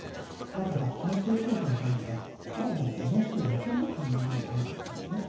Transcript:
だから安定供給のためには海外に依存してはいけないというぐらいの判断をしているんですね。